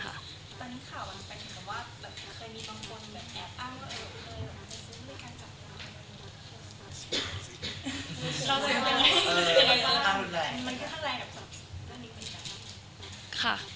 ตอนนี้ข่าวนี่เป็นแบบว่าเคยมีบางคนแอบอ้างว่าเคยมาซื้อรูปในการจับตา